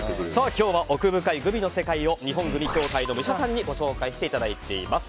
今日は奥深いグミの世界を日本グミ協会名誉会長の武者さんにご紹介いただいています。